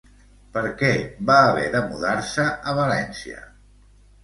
Per què va haver de mudar-se a València?